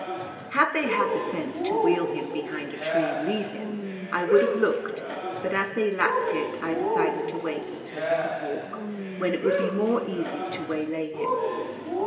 Had they had the sense to wheel him behind a tree and leave him, I would have looked, but as they lacked it, I decided to wait until he could walk, when it would be more easy to waylay him.